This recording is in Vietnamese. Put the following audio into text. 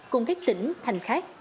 cùng các tỉnh thành khác